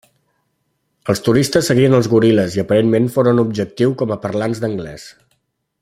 Els turistes seguien als goril·les i aparentment foren objectiu com a parlants d'anglès.